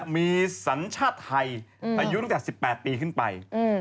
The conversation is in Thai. มีสัญชาติไทยอายุตั้งแต่๑๘ปีขึ้นไป